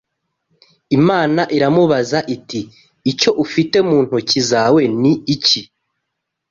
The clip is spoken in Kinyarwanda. Imana iramubaza iti icyo ufite mu ntoki zawe ni iki